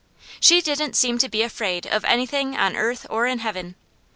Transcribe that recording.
She didn't seem to be afraid of anything on earth or in Heaven.